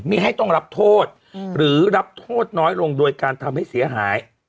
ไม่ให้ต้องรับโทษหรือรับโทษน้อยลงโดยการทำให้เสียหาย